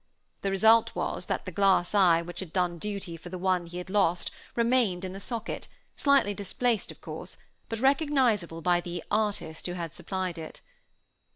The result was, that the glass eye which had done duty for the one he had lost remained in the socket, slightly displaced, of course, but recognizable by the "artist" who had supplied it.